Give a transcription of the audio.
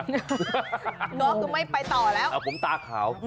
รถก็ไม่ไปต่อแล้ว